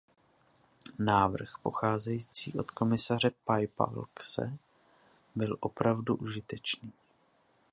Návrh pocházející od komisaře Piebalgse byl opravdu užitečný.